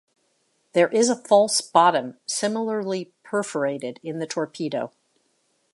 There is a false bottom similarly perforated in the torpedo.